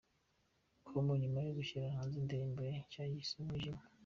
com nyuma yo gushyira hanze indirimbo ye nshya yise Umwijima.